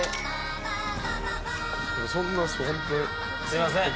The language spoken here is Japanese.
すいません。